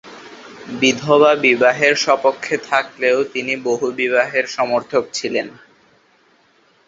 বিধবা বিবাহের স্বপক্ষে থাকলেও, তিনি বহুবিবাহের সমর্থক ছিলেন।